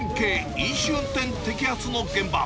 飲酒運転摘発の現場。